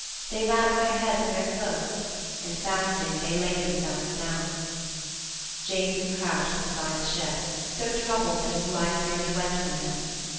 They wrapped their heads in their cloaks, and, fasting, they laid themselves down. Jason crouched beside the ship, so troubled that his life nearly went from him.